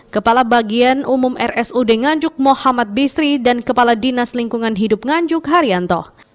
kepala bagian umum rsud nganjuk muhammad bisri dan kepala dinas lingkungan hidup nganjuk haryanto